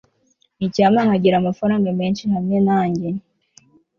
icyampa nkagira amafaranga menshi hamwe nanjye